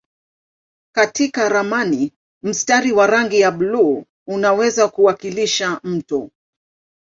Katika ramani mstari wa rangi ya buluu unaweza kuwakilisha mto.